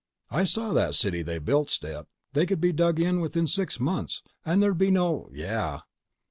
"I saw that city they built, Stet. They could be dug in within six months, and there'd be no—" "Yeah."